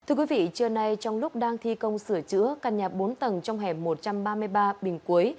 thưa quý vị trưa nay trong lúc đang thi công sửa chữa căn nhà bốn tầng trong hẻm một trăm ba mươi ba bình quế